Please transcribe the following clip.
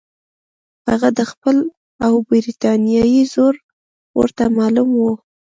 هغه د خپل او برټانیې زور ورته معلوم وو.